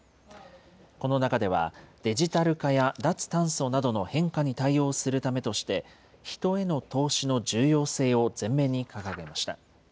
この中では、デジタル化や脱炭素などの変化に対応するためとして、人への投資の重要性を前面に掲げました。